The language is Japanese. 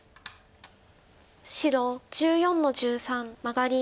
白１４の十三マガリ。